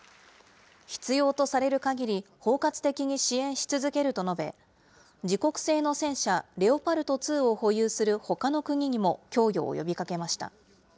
必要とされるかぎり、包括的に支援し続けると述べ、自国製の戦車レオパルト２を保有するほかの国にも供与を呼びかけました。